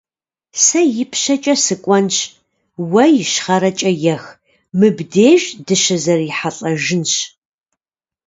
Сэ ипщэкӀэ сыкӀуэнщ, уэ ищхъэрэкӀэ ех, мыбдеж дыщызэрихьэлӀэжынщ.